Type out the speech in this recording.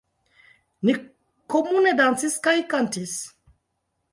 Ni komune dancis kaj kantis.